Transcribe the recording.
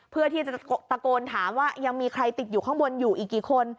เพื่อที่จะตะโกนถามว่ายังมีใครติดอยู่ข้างบนอยู่อีกกี่คน